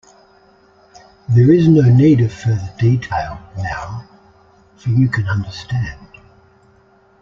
There is no need of further detail, now -- for you can understand.